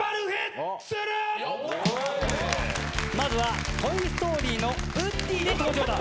まずは『トイ・ストーリー』のウッディで登場だ。